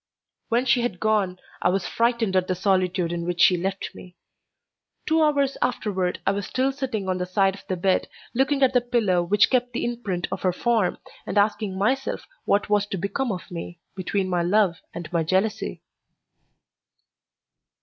When she had gone, I was frightened at the solitude in which she left me. Two hours afterward I was still sitting on the side of the bed, looking at the pillow which kept the imprint of her form, and asking myself what was to become of me, between my love and my jealousy.